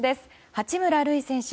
八村塁選手